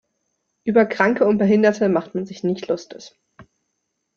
Über Kranke und Behinderte macht man sich nicht lustig.